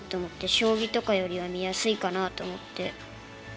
将棋とかよりは見やすいかなと思って。